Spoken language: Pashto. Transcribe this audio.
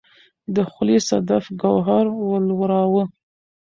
د خولې صدف یې ګوهر ولوراوه